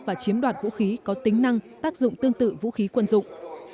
và chiếm đoạt vũ khí có tính năng tác dụng tương tự vũ khí quân dụng